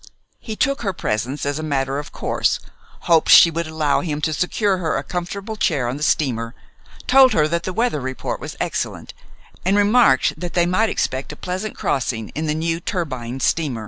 He took her presence as a matter of course, hoped she would allow him to secure her a comfortable chair on the steamer, told her that the weather report was excellent, and remarked that they might expect a pleasant crossing in the new turbine steamer.